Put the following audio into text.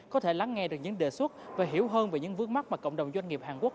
có thể lắng nghe được những đề xuất và hiểu hơn về những vướng mắt mà cộng đồng doanh nghiệp hàn quốc